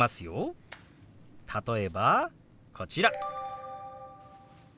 例えばこちら。